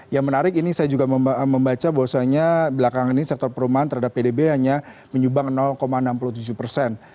yang menarik ini saya juga membaca bahwasannya belakangan ini sektor perumahan terhadap pdb hanya menyubang enam puluh tujuh persen